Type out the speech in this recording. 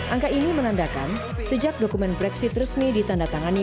angka ini menandakan sejak dokumen brexit resmi ditandatangani